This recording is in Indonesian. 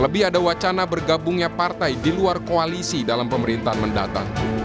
bagaimana bergabungnya partai di luar koalisi dalam pemerintahan mendatang